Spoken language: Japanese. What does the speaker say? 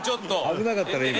危なかったな今。